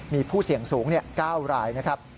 มีผู้เสี่ยงสูง๙รายนะครับ